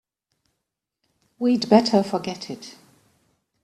We'd better forget it.